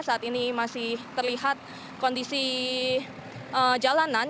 saat ini masih terlihat kondisi jalanan